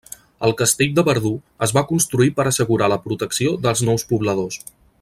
El castell de Verdú es va construir per assegurar la protecció dels nous pobladors.